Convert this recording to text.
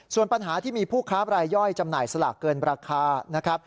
ส่วนปัญหาที่มีผู้ค้าบรายย่อยจำหน่ายสลากเกินราคานะครับ